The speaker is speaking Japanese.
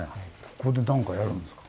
ここで何かやるんですか？